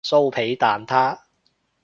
酥皮蛋撻